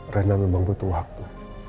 reina memang butuh waktu